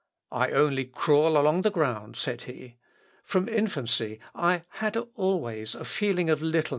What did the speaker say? "I only crawl along the ground," said he. "From infancy I had always a feeling of littleness and humility."